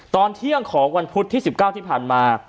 ตอนเที่ยงของวันพุธที่๑๙ที่ผ่านมา